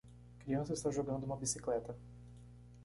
criança está jogando uma bicicleta